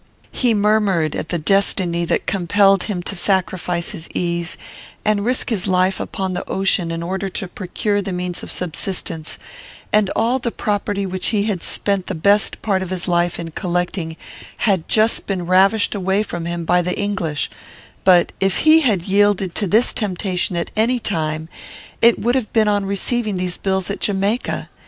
He murmured at the destiny that compelled him to sacrifice his ease, and risk his life upon the ocean in order to procure the means of subsistence; and all the property which he had spent the best part of his life in collecting had just been ravished away from him by the English; but, if he had yielded to this temptation at any time, it would have been on receiving these bills at Jamaica.